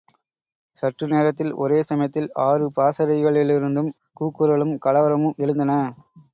சற்று நேரத்தில் ஒரே சமயத்தில் ஆறு பாசறைகளிலிருந்தும் கூக்குரலும் கலவரமும் எழுந்தன.